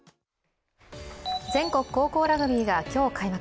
全国高校ラグビーが今日開幕。